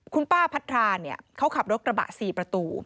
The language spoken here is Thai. คุณป้าพัทราเนี่ยเขาขับรถกระบะ๔ประตู